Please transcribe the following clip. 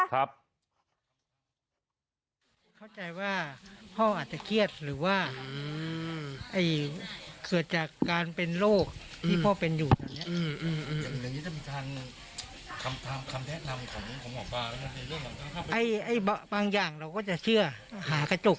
เราก็ไปหาหมออยู่แล้วตามนัดอยู่แล้วครับ